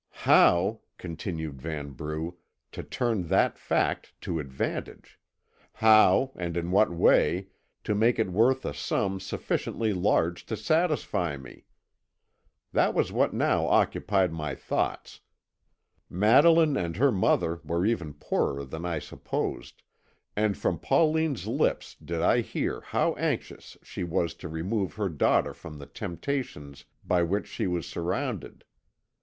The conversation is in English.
"How," continued Vanbrugh, "to turn that fact to advantage? How, and in what way, to make it worth a sum sufficiently large to satisfy me? That was what now occupied my thoughts. Madeline and her mother were even poorer than I supposed, and from Pauline's lips did I hear how anxious she was to remove her daughter from the temptations by which she was surrounded.